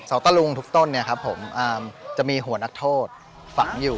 ตะลุงทุกต้นเนี่ยครับผมจะมีหัวนักโทษฝังอยู่